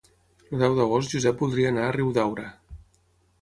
El deu d'agost en Josep voldria anar a Riudaura.